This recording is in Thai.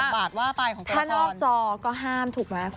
แต่ว่าถ้านอกจอก็ห้ามถูกไหมครับคุณ